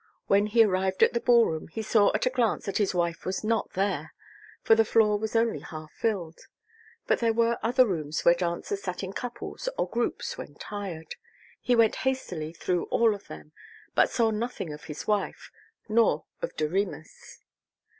When he arrived at the ballroom he saw at a glance that his wife was not there, for the floor was only half filled. But there were other rooms where dancers sat in couples or groups when tired. He went hastily through all of them, but saw nothing of his wife. Nor of Doremus.